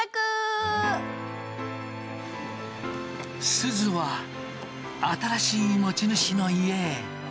すずは新しい持ち主の家へ。